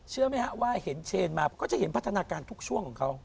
เชื่อไหมฮะว่าเห็นเชนมาก็จะเห็นพัฒนาการทุกช่วงของเขา